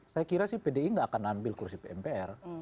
saya kira sih pdi enggak akan ambil kursi pmpr